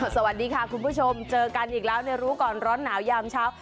สวัสดีค่ะคุณผู้ชมเจอกันอีกแล้วในรู้ก่อนร้อนหนาวยามเช้า